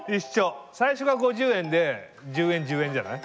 最初が５０円で１０円１０円じゃない？